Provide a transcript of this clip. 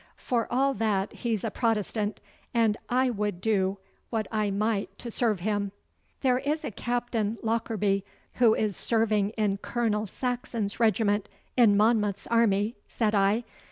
For all that he's a Protestant, and I would do what I might to serve him.' 'There is a Captain Lockarby, who is serving in Colonel Saxon's regiment, in Monmouth's army,' said I.